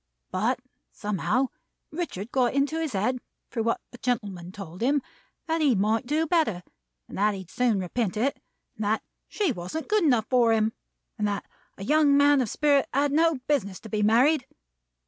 But, somehow, Richard got it into his head, through what the gentleman told him, that he might do better, and that he'd soon repent it, and that she wasn't good enough for him, and that a young man of spirit had no business to be married.